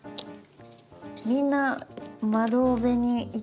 みんな窓辺にいて。